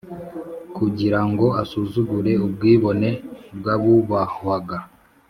kugira ngo asuzugure ubwibone bw’abubahwaga,